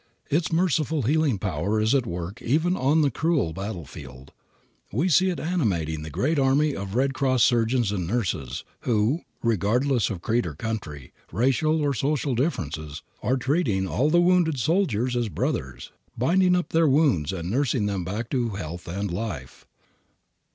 Its merciful healing power is at work even on the cruel battlefield. We see it animating the great army of Red Cross surgeons and nurses, who, regardless of creed or country, racial or social differences, are treating all the wounded soldiers as brothers, binding up their wounds and nursing them back to health and life.